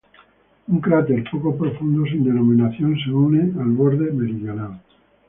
Un cráter poco profundo sin denominación se une al borde meridional.